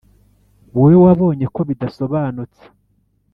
wowe wabonye ko bidasobanutse